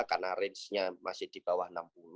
karena rangenya masih di bawah enam puluh